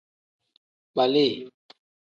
Kpali.